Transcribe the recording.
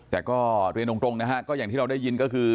แต่ก็เรียนตรงนะฮะก็อย่างที่เราได้ยินก็คือ